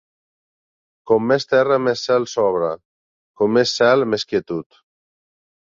Com més terra, més cel sobre; com més cel, més quietud.